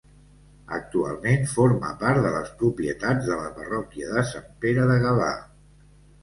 Actualment forma part de les propietats de la parròquia de Sant Pere de Gavà.